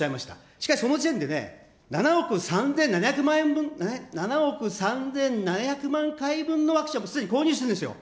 しかし、その時点で７億３７００万回分のワクチンをすでに購入してるんですよ。